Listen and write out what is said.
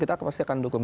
kita pasti akan dukung